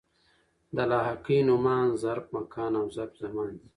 د لاحقې نومان ظرف مکان او ظرف زمان دي.